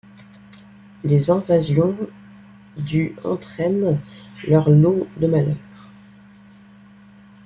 Les invasions du entraînent leur lot de malheurs.